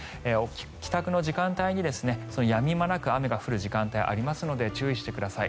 帰宅の時間帯にやみ間なく雨が降る時間帯がありますので注意してください。